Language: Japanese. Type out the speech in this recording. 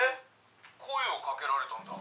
声を掛けられたんだ。